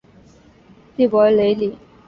蒂珀雷里。